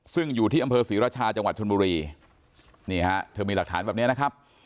ซึ่งอยู่ที่อำเภอศรีราชาจังหวัดชนบุรีนี่ฮะเธอมีหลักฐานแบบนี้นะครับ